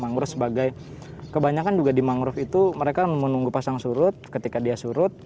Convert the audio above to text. mangrove sebagai kebanyakan juga di mangrove itu mereka menunggu pasang surut ketika dia surut